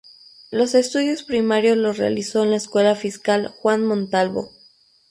Los estudios primarios los realizó en la Escuela Fiscal Juan Montalvo.